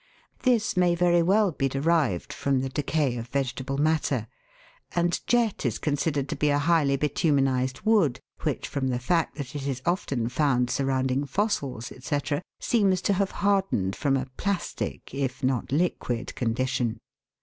This may very well be derived from the decay of vegetable matter ; and jet is considered to be a highly bituminised wood, which, from / Fig. 38. ANIMAL REMAINS IN AMBKK. the fact that it is often found surrounding fossils, &c., seems to have hardened from a plastic if not liquid condition.